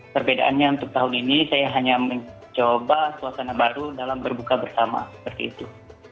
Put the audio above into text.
perbedaannya untuk tahun ini saya hanya mencoba suasana baru dalam berbuka bersama seperti itu